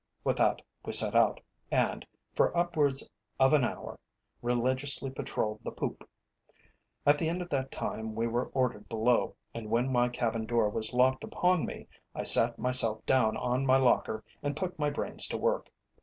With that we set out, and for upwards of an hour religiously patrolled the poop. At the end of that time we were ordered below, and when my cabin door was locked upon me, I sat myself down on my locker and put my brains to work.